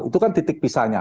itu kan titik pisahnya